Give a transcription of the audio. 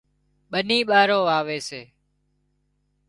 ٻنِي ٻارو واوي سي